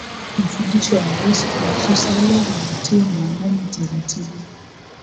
Mafundisho ya Yesu kuhusu sala hayatii maanani taratibu